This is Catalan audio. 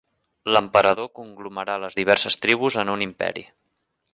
L'emperador conglomerà les diverses tribus en un imperi.